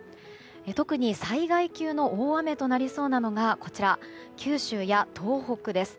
特に災害級の大雨となりそうなのが九州や東北です。